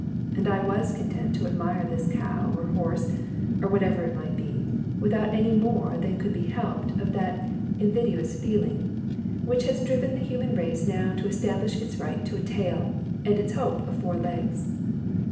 And I was content to admire this cow or horse, or whatever it might be, without any more than could be helped of that invidious feeling which has driven the human race now to establish its right to a tail, and its hope of four legs.